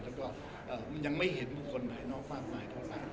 แล้วก็มันยังไม่เห็นบุคคลไหนนอกมากมายเท่าไหร่